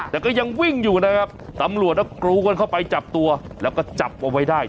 แต่ก็ยังวิ่งอยู่นะครับตำรวจก็กรูกันเข้าไปจับตัวแล้วก็จับเอาไว้ได้